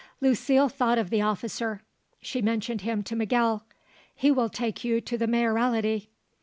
Lucile thought of the officer; she mentioned him to Miguel. "He will take you to the Mayoralty."